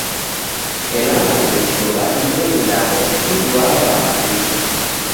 Ela maghesho gha ijo ilagho giduaghai maw'ishi.